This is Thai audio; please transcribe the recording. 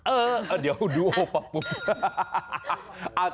เออเดี๋ยวดูโอปั๊บปุ๊บ